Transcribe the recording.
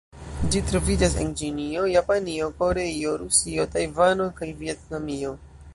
Ĝi troviĝas en Ĉinio, Japanio, Koreio, Rusio, Tajvano kaj Vjetnamio.